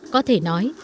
có thể nói